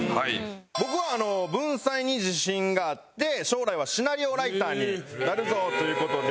僕は文才に自信があって将来はシナリオライターになるぞという事で。